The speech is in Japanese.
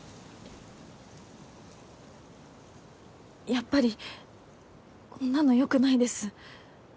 やっぱりこんなのよくないです